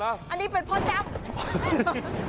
อันนี้เป็นพ่อเอี๊ยบ